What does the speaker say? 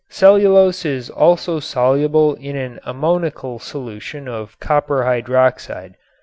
Cellulose is also soluble in an ammoniacal solution of copper hydroxide.